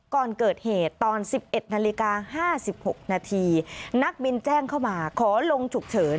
ก่อนเกิดเหตุตอน๑๑นาฬิกา๕๖นาทีนักบินแจ้งเข้ามาขอลงฉุกเฉิน